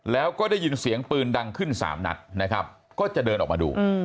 แล้วก็ได้ยินเสียงปืนดังขึ้น๓นัดนะครับก็จะเดินออกมาดู